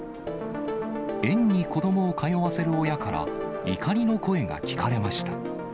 園に子どもを通わせる親から、怒りの声が聞かれました。